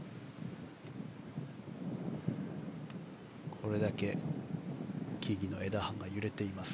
これだけ木々の枝葉が揺れています。